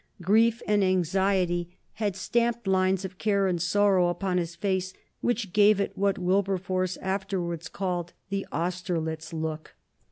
Grief and anxiety had stamped lines of care and sorrow upon his face, which gave it what Wilberforce afterwards called "the Austerlitz look."